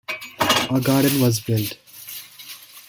A garden was built.